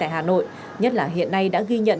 hà nội nhất là hiện nay đã ghi nhận